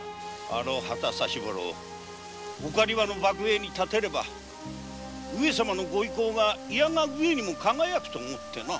あの旗指物をお狩場の幕営に立てれば上様の御威光がいやが上にも輝くと思ってな。